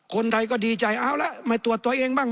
คนไทยก็ดีใจเอาละมาตรวจตัวเองบ้าง